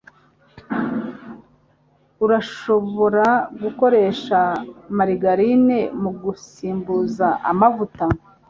Urashobora gukoresha margarine mugusimbuza amavuta.